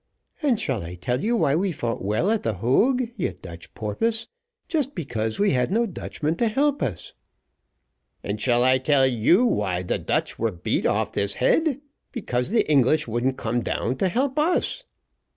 "And shall I tell you why we fought well at the Hogue you Dutch porpoise just because we had no Dutchmen to help us." "And shall I tell you why the Dutch were beat off this Head? because the English wouldn't come down to help us."